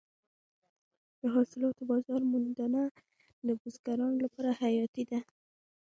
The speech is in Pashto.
د حاصلاتو بازار موندنه د بزګرانو لپاره حیاتي ده.